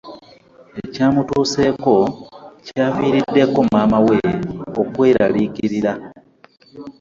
Ekyamutuseeko kyaviriddeko maama we okweraliikirira.